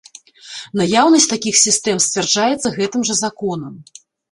Наяўнасць такіх сістэм сцвярджаецца гэтым жа законам.